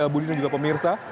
budi dan juga pemirsa